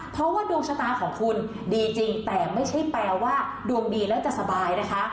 เพราะว่าดวงชะตาของคุณดีจริงแต่ไม่ใช่แปลว่าดวงดีแล้วจะสบายนะคะ